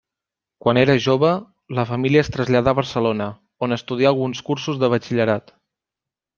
Quan era jove, la família es traslladà a Barcelona, on estudià alguns cursos de batxillerat.